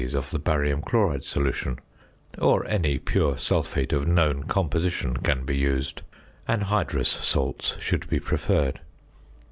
of the barium chloride solution; or any pure sulphate of known composition can be used; anhydrous salts should be preferred.